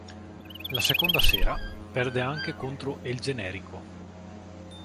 La seconda sera, perde anche contro El Generico.